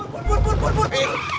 pur pur pur pur pur